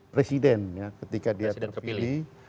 presiden ketika dia terpilih